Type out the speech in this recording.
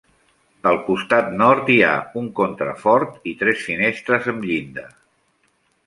Al costat nord hi ha un contrafort i tres finestres amb llinda.